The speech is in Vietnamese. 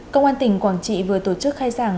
công an tỉnh quảng trị vừa tổ chức khai giảng